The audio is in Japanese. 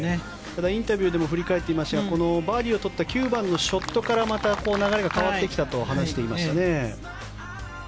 ただインタビューでも振り返っていましたがバーディーをとった９番のショットから流れが変わってきたと話していましたね。